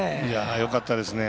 よかったですね。